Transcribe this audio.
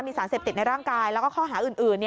สารเสพติดในร่างกายแล้วก็ข้อหาอื่น